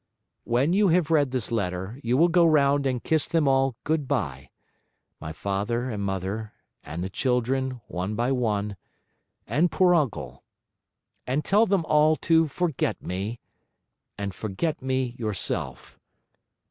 When you have read this letter, you will go round and kiss them all good bye, my father and mother, and the children, one by one, and poor uncle; And tell them all to forget me, and forget me yourself.